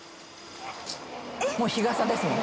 もう日傘ですね。